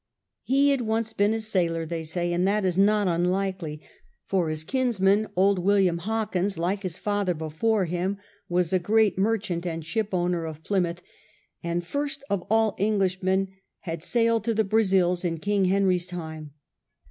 He had once been a sailor they say, and that is not unlikely. For his kinsman, old William Hawkins, like his father before him, was a great merchant and shipowner of Pl3rmouth, and, first of all Englishmen, had sailed to the Brazils in King Henry's time.